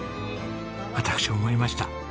私思いました。